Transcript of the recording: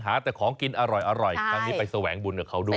หาแต่ของกินอร่อยครั้งนี้ไปแสวงบุญกับเขาด้วย